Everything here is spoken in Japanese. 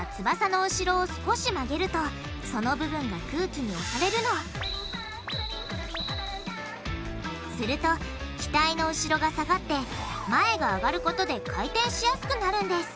翼の後ろを少し曲げるとその部分が空気に押されるのすると機体の後ろが下がって前が上がることで回転しやすくなるんです。